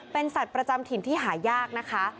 เป็นสัตว์ประจำถิ่นที่หายากนะคะ